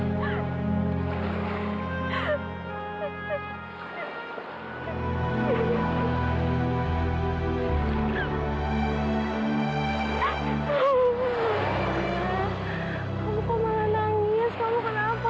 kamu kok malah nangis kamu kenapa